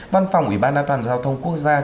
văn phòng ủy ban an toàn giao thông quốc gia